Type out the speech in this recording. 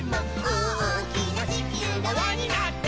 「おおきなちきゅうがわになって」